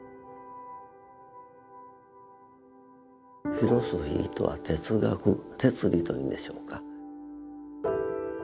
「フィロソフィー」とは「哲学」「哲理」というんでしょうか。